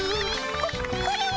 ここれは？